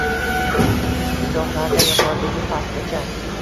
Izohlardan yuqoridagi postgacha: